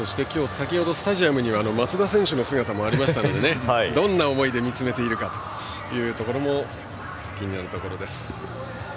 スタジアムには松田選手の姿もありましたのでどんな思いで見つめているかも気になるところです。